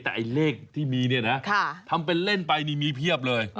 แต่ไอ้เลขที่มีเนี่ยนะทำเป็นเล่นไปนี่มีเพียบเลย